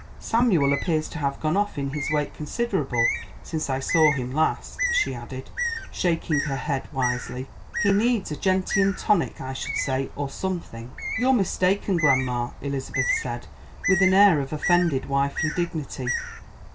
Samuel appears to have gone off in his weight considerable since I saw him last," she added, shaking her head wisely. "He needs a gentian tonic, I should say, or something." "You're mistaken, grandma," Elizabeth said, with an air of offended wifely dignity.